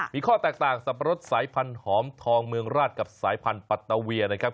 มีข้อแตกต่างสับปะรดสายพันธุ์หอมทองเมืองราชกับสายพันธุ์ปัตตาเวียนะครับ